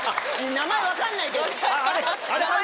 名前分かんないけど。